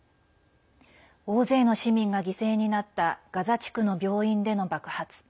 大勢の市民が犠牲になったガザ地区の病院での爆発。